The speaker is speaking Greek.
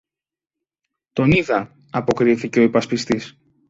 τον είδα, αποκρίθηκε ο υπασπιστής.